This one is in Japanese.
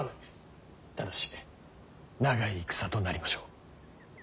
ただし長い戦となりましょう。